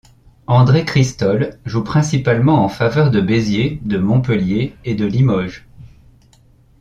André Cristol joue principalement en faveur de Béziers, de Montpellier et de Limoges.